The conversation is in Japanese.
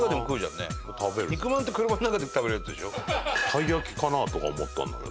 たい焼きかな？とか思ったんだけど。